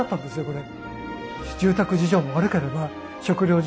これ。